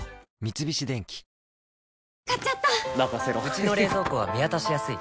うちの冷蔵庫は見渡しやすい